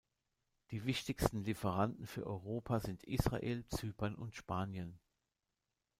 Die wichtigsten Lieferanten für Europa sind Israel, Zypern und Spanien.